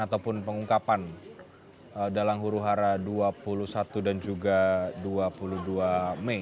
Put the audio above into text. ataupun pengungkapan dalam huru hara dua puluh satu dan juga dua puluh dua mei